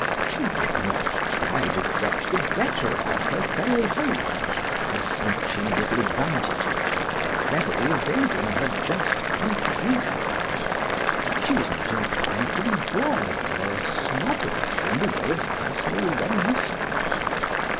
She did not try to "get the better of" her fellow hosts by snatching little advantages or cleverly evading her just contributions; she was not inclined to be boring or snobbish in the way of personal reminiscence.